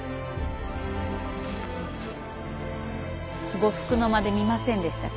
呉服の間で見ませんでしたか？